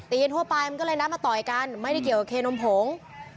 กันทั่วไปมันก็เลยนัดมาต่อยกันไม่ได้เกี่ยวกับเคนมผง